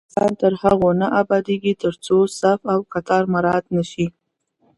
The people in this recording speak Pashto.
افغانستان تر هغو نه ابادیږي، ترڅو صف او کتار مراعت نشي.